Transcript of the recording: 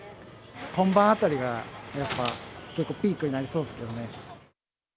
今晩あたりがやっぱ、結構ピークになりそうですけどね。